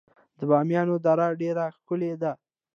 د بامیان دره ډیره ښکلې ده